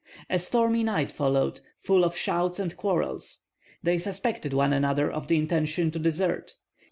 A stormy night followed, full of shouts and quarrels. They suspected one another of the intention to desert.